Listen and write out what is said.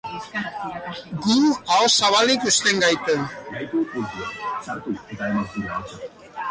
Gu aho zabalik uzten gaitu.